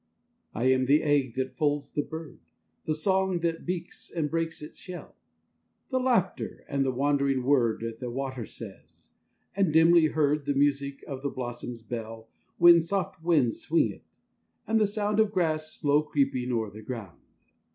I am the egg that folds the bird, The song that beaks and breaks its shell; The laughter and the wandering word The water says; and, dimly heard, The music of the blossom's bell When soft winds swing it; and the sound Of grass slow creeping o'er the ground.